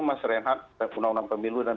mas reinhardt undang undang pemilu dan